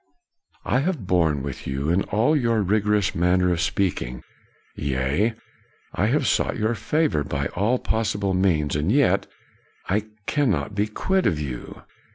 "I have borne with you in all your rigorous manner of speak ing, yea, I have sought your favor by all possible means, and yet I cannot be quit of you.